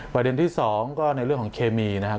ประเด็นที่๒ก็ในเรื่องของเคมีนะครับ